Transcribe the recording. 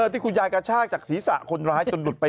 ที่คุณยายกระชากจากศีรษะคนร้ายจนหลุดไป